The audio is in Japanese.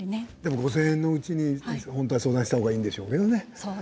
５０００円のうちに本当は相談したほうがいいんでしょうけれどもね。